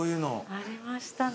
ありましたね。